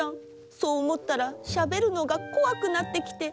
そう思ったらしゃべるのがこわくなってきて。